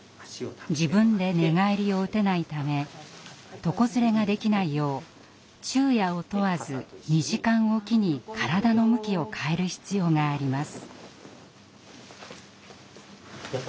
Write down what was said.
自分で寝返りを打てないため床ずれができないよう昼夜を問わず２時間置きに体の向きを変える必要があります。